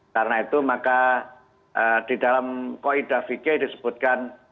karena itu maka di dalam qohidah fikih disebutkan